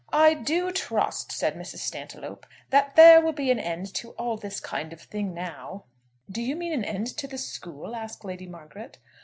"I do trust," said Mrs. Stantiloup, "that there will be an end to all this kind of thing now." "Do you mean an end to the school?" asked Lady Margaret.